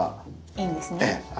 いいんですね。